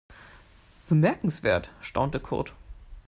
Bemerkenswert, staunte Kurt.